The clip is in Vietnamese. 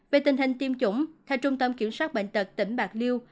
về tình hình tiêm chủng theo trung tâm kiểm soát bệnh tật tỉnh bạc liêu